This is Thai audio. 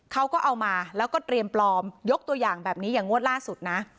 เขาก็เอามาแล้วก็เตรียมปลอมยกตัวอย่างแบบนี้อย่างงวดล่าสุดนะ